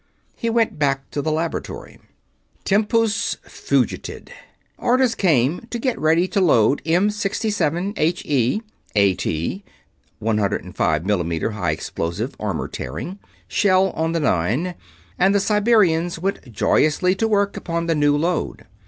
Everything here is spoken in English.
He went back to the Laboratory. Tempus fugited. Orders came to get ready to load M67 H.E., A.T. (105 m/m High Explosive, Armor Tearing) shell on the Nine, and the Siberians went joyously to work upon the new load.